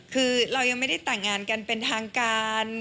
คือเรายังไม่ได้แต่งงานกันเป็นทางการ